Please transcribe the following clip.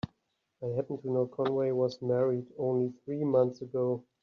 I happen to know Conway was married only three months ago.